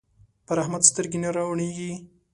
پر احمد سترګې نه روڼېږي.